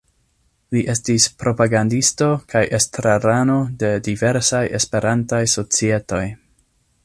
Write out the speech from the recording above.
Li estis propagandisto kaj estrarano de diversaj Esperantaj societoj.